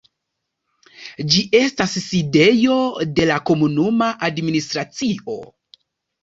Ĝi estas sidejo de la komunuma administracio.